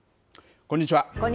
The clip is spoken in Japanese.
こんにちは。